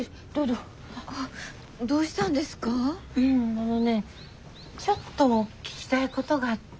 あのねちょっと聞きたいことがあって。